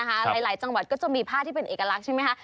หลายจังหวัดก็จะมีผ้าที่เป็นเอกลักษณ์ใช่ไหมคะ